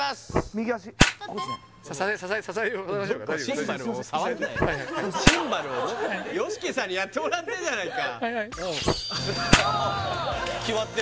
右足支えようＹＯＳＨＩＫＩさんにやってもらってんじゃないか